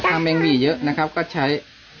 เมงหวี่เยอะนะครับก็ใช้